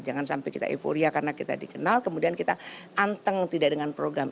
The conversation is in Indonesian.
jangan sampai kita euforia karena kita dikenal kemudian kita anteng tidak dengan program